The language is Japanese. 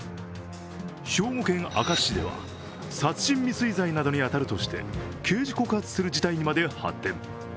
兵庫県明石市では、殺人未遂罪などに当たるとして刑事告発する事態にまで発展。